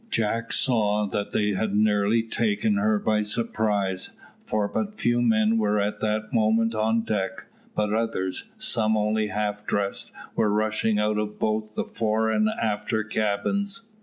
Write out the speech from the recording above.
Jack saw that they had nearly taken her by surprise, for but few men were at that moment on deck; but others, some only half dressed, were rushing out of both the fore and after cabins.